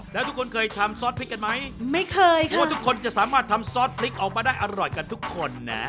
แล้วทุกคนเคยทำซอสพรีกกันมั้ยทุกคนจะสามารถทำซอสพรีกออกมาได้อร่อยกันทุกคนนะ